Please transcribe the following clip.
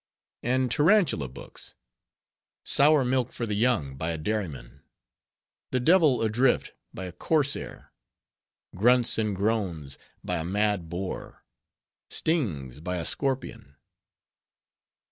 And Tarantula books:— "Sour Milk for the Young, by a Dairyman." "The Devil adrift, by a Corsair." "Grunts and Groans, by a Mad Boar." "Stings, by a Scorpion."